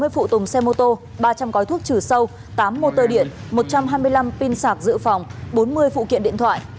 một trăm sáu mươi phụ tùng xe mô tô ba trăm linh gói thuốc trừ sâu tám mô tơ điện một trăm hai mươi năm pin sạc giữ phòng bốn mươi phụ kiện điện thoại